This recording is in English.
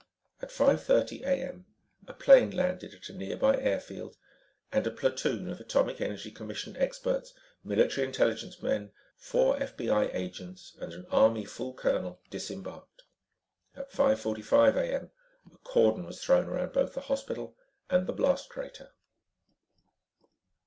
At 5:30 a.m., a plane landed at a nearby airfield and a platoon of Atomic Energy Commission experts, military intelligence men, four FBI agents and an Army full colonel disembarked. At 5:45 a.m. a cordon was thrown around both the hospital and the blast crater.